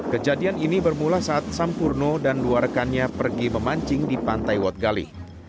kejadian ini bermula saat sampurno dan dua rekannya pergi memancing di pantai watgali